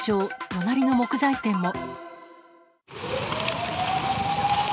隣の木材店も。